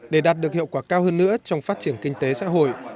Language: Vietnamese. để đạt được hiệu quả cao hơn nữa trong phát triển kinh tế xã hội